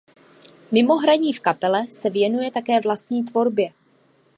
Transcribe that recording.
Mimo hraní v kapele se věnuje také vlastní tvorbě.